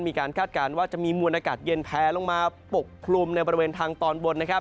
คาดการณ์ว่าจะมีมวลอากาศเย็นแพลลงมาปกคลุมในบริเวณทางตอนบนนะครับ